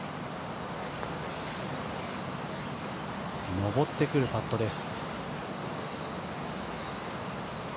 上ってくるパットです。